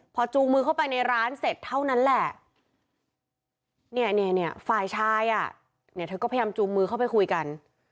พอจูงมือเข้าไปในร้านเสร็จเท่านั้นแหละเนี่ยฝ่ายชายอ่ะเนี่ยเธอก็พยายามจูงมือเข้าไปคุยกัน